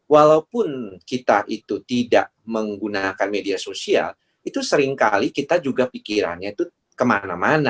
walaupun kita itu tidak menggunakan media sosial itu seringkali kita juga pikirannya itu kemana mana